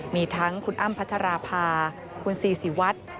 มีทั้งคุณอ้ำพัชราภาคุณซีศิวัตร